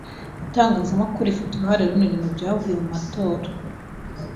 Itangazamakuru rifite uruhare runini mubyavuye mu matora.